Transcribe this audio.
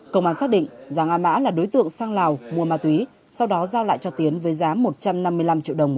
công an xác định giáng a mã là đối tượng sang lào mua ma túy sau đó giao lại cho tiến với giá một trăm năm mươi năm triệu đồng